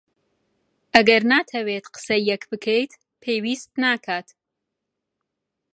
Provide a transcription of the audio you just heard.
ئەگەر ناتەوێت قسەیەک بکەیت، پێویست ناکات.